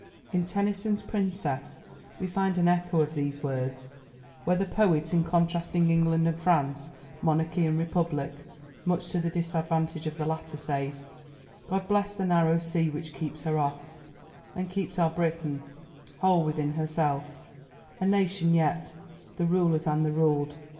In Tennyson's Princess we find an echo of these words, where the poet, in contrasting England and France, monarchy and republic much to the disadvantage of the latter says: God bless the narrow sea which keeps her off, And keeps our Britain, whole within herself, A nation yet, the rulers and the ruled.